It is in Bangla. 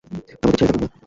আমাদের ছেড়ে যাবেন না!